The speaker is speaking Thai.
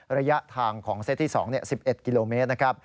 ระยะทางของเซตที่๒๑๑กิโลเมตรนะครับ